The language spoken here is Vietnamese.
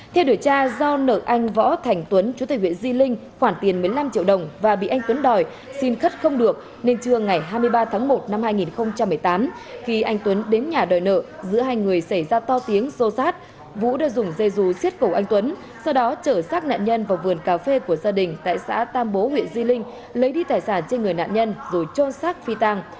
theo đề tra do nợ anh võ thành tuấn chú tại huyện di linh khoản tiền một mươi năm triệu đồng và bị anh tuấn đòi xin khất không được nên trưa ngày hai mươi ba tháng một năm hai nghìn một mươi tám khi anh tuấn đến nhà đòi nợ giữa hai người xảy ra to tiếng xô sát vũ đã dùng dây rú xiết cầu anh tuấn sau đó trở sát nạn nhân vào vườn cà phê của gia đình tại xã tam bố huyện di linh lấy đi tài sản trên người nạn nhân rồi trôn sát phi tăng